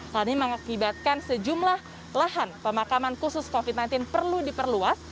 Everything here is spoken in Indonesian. hal ini mengakibatkan sejumlah lahan pemakaman khusus covid sembilan belas perlu diperluas